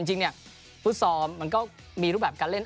จริงฟุตซอลมันก็มีรูปแบบการเล่น